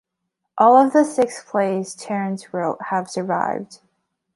All of the six plays Terence wrote have survived.